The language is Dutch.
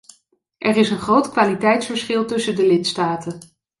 Er is een groot kwaliteitsverschil tussen de lidstaten.